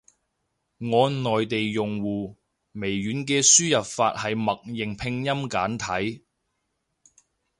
我內地用戶，微軟嘅輸入法係默認拼音簡體。